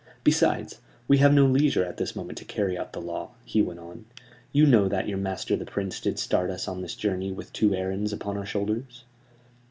"Besides, we have no leisure at this moment to carry out the law," he went on. "You know that your master the Prince did start us on this journey with two errands upon our shoulders."